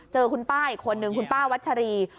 เจอคุณป้าอีกคนนึงคุณป้าวัชรี